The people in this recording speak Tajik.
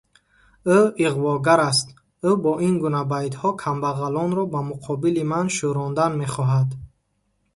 Ӯ иғвогар аст, ӯ бо ин гуна байтҳо камбағалонро ба муқобили ман шӯрондан мехоҳад.